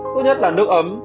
tốt nhất là nước ấm